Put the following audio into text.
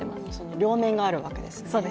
両面があるわけですね。